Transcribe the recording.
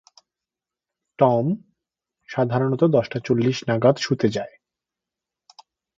Tom সাধারণত দশটা চল্লিশ নাগাদ শুতে যায়।